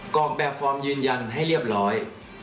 ออกแบบฟอร์มยืนยันให้เรียบร้อย